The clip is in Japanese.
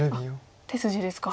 手筋ですか。